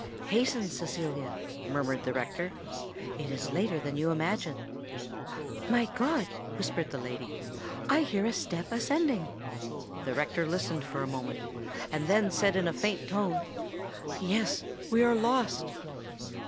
"Hasten, Cecilia," murmured the rector: "it is later than you imagine." "My God!" whispered the lady: "I hear a step ascending!" The rector listened for a moment, and then said in a faint tone, "Yes: we are lost!"